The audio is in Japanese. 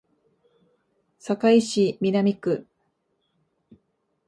堺市南区